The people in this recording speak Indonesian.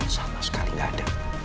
sama sekali gak ada